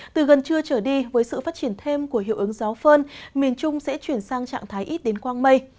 từ gần trưa trở đi với sự phát triển thêm của hiệu ứng gió phơn miền trung sẽ chuyển sang trạng thái ít đến quang mây